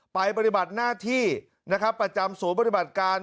ปฏิบัติหน้าที่นะครับประจำศูนย์ปฏิบัติการ